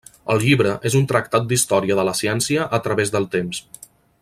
El llibre és un tractat d'Història de la ciència a través dels temps.